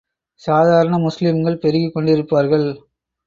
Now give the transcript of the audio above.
சாதாரண முஸ்லிம்கள் பெருகிக் கொண்டிருப்பார்கள்.